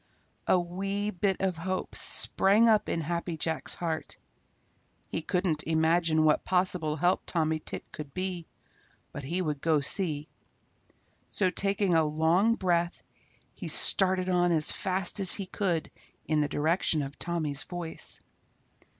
A wee bit of hope sprang up in Happy Jack's heart. He couldn't imagine what possible help Tommy Tit could be, but he would go see. So taking a long breath he started on as fast as he could in the direction of Tommy's voice.